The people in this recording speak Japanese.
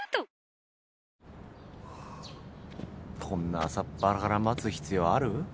こんな朝っぱらから待つ必要ある？